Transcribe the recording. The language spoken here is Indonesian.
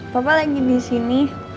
papa lagi di sini